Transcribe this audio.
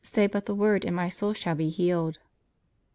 Say but the word and my soul shall be healed.